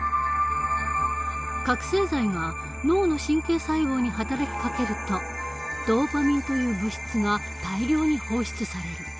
覚醒剤が脳の神経細胞に働きかけるとドーパミンという物質が大量に放出される。